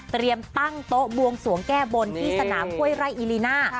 เตรียมตั้งโต๊ะบวงสวงแก้บนที่สนามค่วยไร่อีริน่า